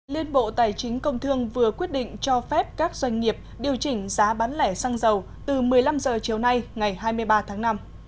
liên bộ tài chính công thương vừa quyết định cho phép các doanh nghiệp điều chỉnh giá bán lẻ xăng dầu từ một mươi năm h chiều nay ngày hai mươi ba tháng năm